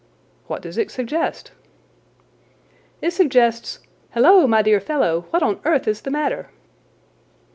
"What does it suggest?" "It suggests—halloa, my dear fellow, what on earth is the matter?"